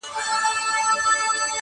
هم یې غزل خوږ دی هم ټپه یې نازنینه ده،